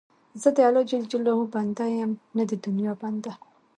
زه د الله جل جلاله بنده یم، نه د دنیا بنده.